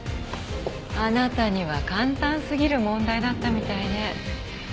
あなたには簡単すぎる問題だったみたいね。